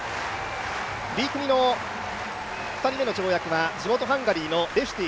Ｂ組の２人目の跳躍は地元ハンガリーのレシュティ。